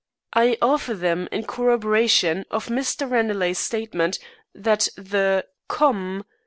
I offer them in corroboration of Mr. Ranelagh's statement that the '_Come!